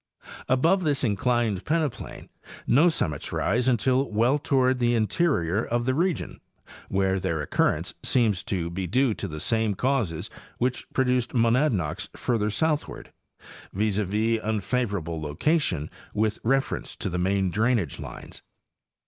Above this inclined peneplain no summits rise until well toward the interior of the region, where their occurrence seems to be due to the same causes which produced monadnocks further southward, viz., un favorable location with reference to the main drainage lines.